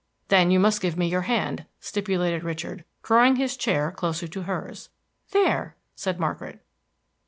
"Then you must give me your hand," stipulated Richard, drawing his chair closer to hers. "There!" said Margaret.